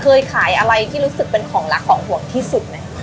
เคยขายอะไรที่รู้สึกเป็นของรักของห่วงที่สุดไหม